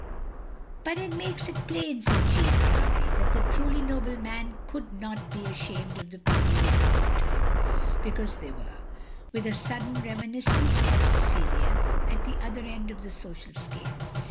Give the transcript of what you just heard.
" But it makes it plain, " said Jeanne, proudly, "that the truly noble man could not be ashamed of the people who belonged to him, because they were" — ^with a sudden reminiscence of Cecilia — at the other end of the social scale.